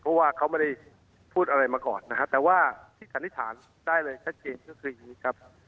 เพราะว่าเขาไม่ได้พูดอะไรมาก่อนนะฮะแต่ว่าที่สันนิษฐานได้เลยชัดเจนก็คืออย่างนี้ครับ